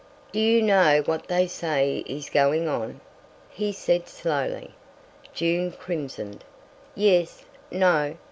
"Do you know what they say is going on?" he said slowly. June crimsoned. "Yes—no!